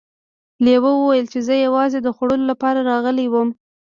لیوه وویل چې زه یوازې د خوړو لپاره راغلی وم.